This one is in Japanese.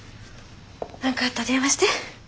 何かあったら電話して。